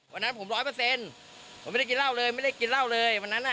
วันนั้นผมร้อยเปอร์เซ็นต์ผมไม่ได้กินเหล้าเลยไม่ได้กินเหล้าเลยวันนั้นอ่ะ